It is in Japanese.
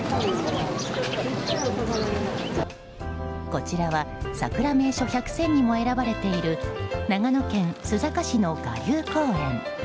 こちらはさくら名所１００選にも選ばれている長野県須坂市の臥竜公園。